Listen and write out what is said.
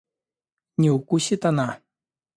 Не укусит она?